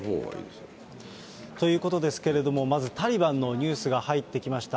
ということですけれども、まずタリバンのニュースが入ってきました。